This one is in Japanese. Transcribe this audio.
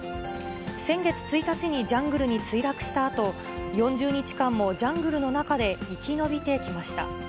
先月１日にジャングルに墜落したあと、４０日間もジャングルの中で生き延びてきました。